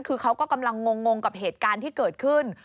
คือเขาก็กำลังงงกับเหตุการณ์ที่เกิดขึ้น